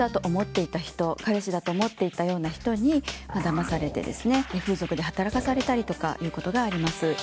彼氏だと思っていたような人にだまされて風俗で働かされたりとかということがあります。